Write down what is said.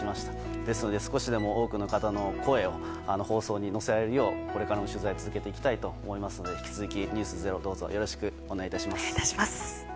ですので少しでも多くの方の声を放送に乗せられるようこれからも取材を続けていきたいと思いますので「ｎｅｗｓｚｅｒｏ」引き続きよろしくお願いします。